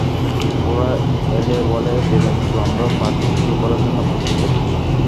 ওরা এলে, বলে দেবেন তো আমরা পার্টি শুরু করার জন্য অপেক্ষা করছি।